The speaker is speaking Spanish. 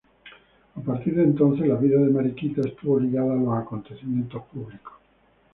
A partir de entonces, la vida de Mariquita estuvo ligada a los acontecimientos públicos.